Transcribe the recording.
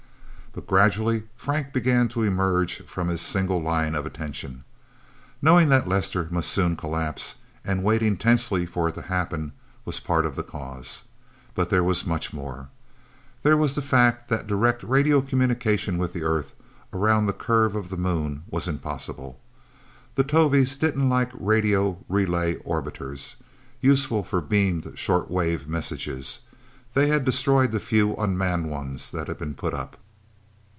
But gradually Frank began to emerge from his single line of attention. Knowing that Lester must soon collapse, and waiting tensely for it to happen, was part of the cause. But there was much more. There was the fact that direct radio communication with the Earth, around the curve of the Moon, was impossible the Tovies didn't like radio relay orbiters, useful for beamed, short wave messages. They had destroyed the few unmanned ones that had been put up.